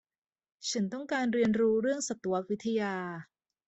ฉันต้องการเรียนรู้เรื่องสัตววิทยา